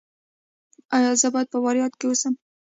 ایا زه باید په فاریاب کې اوسم؟